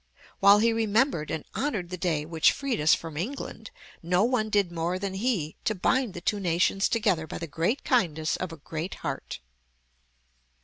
While he remembered and honored the day which freed us from England, no one did more than he to bind the two nations together by the great kindness of a great heart.